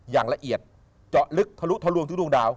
อย่างละเอียดเจาะลึกทะลุทะลวงทุกดวงดาว